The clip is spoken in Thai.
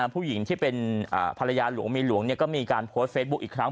ผู้หญิงที่เป็นภรรยาหลวงเมียหลวงก็มีการโพสต์เฟซบุ๊คอีกครั้ง